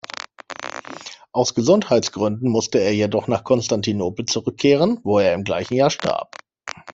Aus Gesundheitsgründen musste er jedoch nach Konstantinopel zurückkehren, wo er im gleichen Jahr starb.